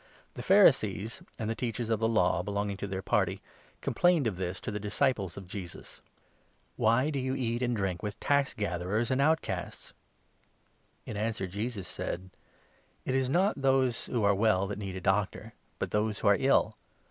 The Pharisees and the Teachers of the Law belonging to their 30 party complained of this to the disciples of Jesus. " Why do you eat and drink with tax gatherers and out casts ?" In answer Jesus said : 31 " It is not those who are well that need a doctor, but those who are ill.